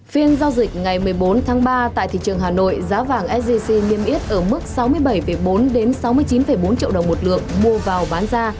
phiên giao dịch ngày một mươi bốn tháng ba tại thị trường hà nội giá vàng sgc niêm yết ở mức sáu mươi bảy bốn sáu mươi chín bốn triệu đồng một lượng mua vào bán ra